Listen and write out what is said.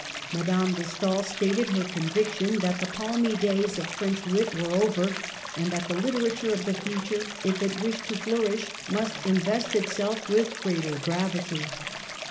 Madame de Stael stated her conviction that the ' palmy days of French wit were over, and that the literature of the future, if it wished to flour ish, must invest itself with greater gravity.